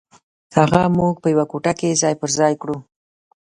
هغه موږ په یوه کوټه کې ځای پر ځای کړو.